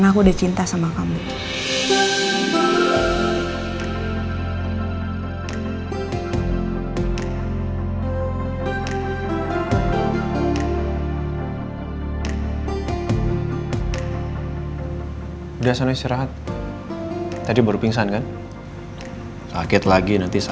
aku bersambung baik baik aja tuh